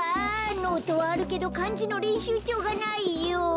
ノートはあるけどかんじのれんしゅうちょうがないよ！